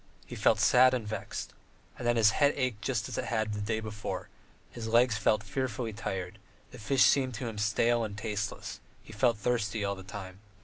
He felt sad and vexed. And then his head ached just as it had the day before; his legs felt fearfully tired, and the fish seemed to him stale and tasteless; he felt thirsty all the time.